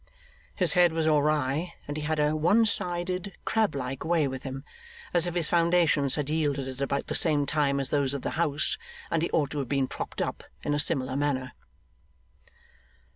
His head was awry, and he had a one sided, crab like way with him, as if his foundations had yielded at about the same time as those of the house, and he ought to have been propped up in a similar manner.